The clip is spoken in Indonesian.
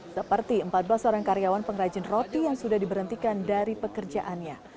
seperti empat belas orang karyawan pengrajin roti yang sudah diberhentikan dari pekerjaannya